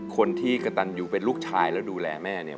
คนที่กระตันอยู่เป็นลูกชายแล้วดูแลแม่เนี่ย